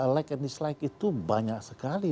like and dislike itu banyak sekali